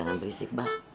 gangan berisik bang